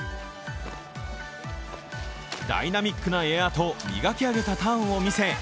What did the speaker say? ダイナミックなエアと磨き上げたターンを見せ